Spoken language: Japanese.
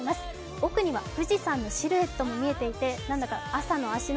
奥には富士山のシルエットも見えていて、何だか朝の芦ノ